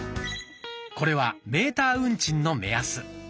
これはメーター運賃の目安。